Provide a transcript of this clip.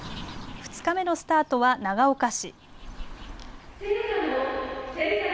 ２日目のスタートは長岡市。